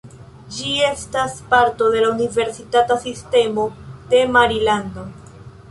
Ĝi estas parto de la Universitata Sistemo de Marilando.